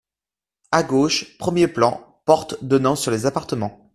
À gauche, premier plan, porte donnant sur les appartements.